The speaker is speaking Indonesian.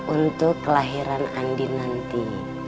untuk kelahiran andi nanti